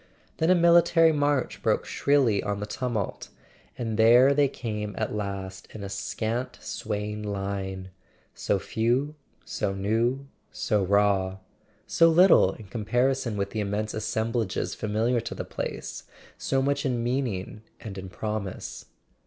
Then a military march broke shrilly on the tumult; and there they came at last, in a scant swaying line— so few, so new, so raw; so little, in comparison with the immense assemblages familiar to the place, so much in meaning and in promise.